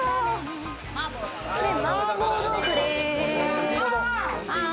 これ麻婆豆腐です。